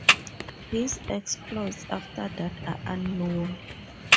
His exploits after that are unknown.